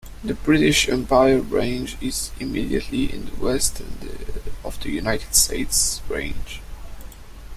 The British Empire Range is immediately to the west of the United States Range.